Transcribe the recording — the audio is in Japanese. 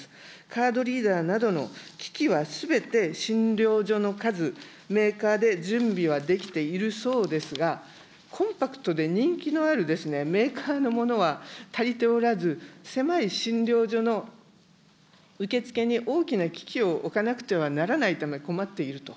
カードリーダーなどの機器はすべて診療所の数、メーカーで準備はできているそうですが、コンパクトで人気のあるメーカーのものは、足りておらず、狭い診療所の受付に大きな機器を置かなくてはならないため困っていると。